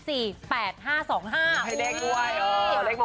ให้ได้ด้วยเลขมงคล